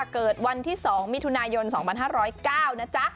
เกิดวันที่๒มิถุนายน๒๕๐๙นะจ๊ะ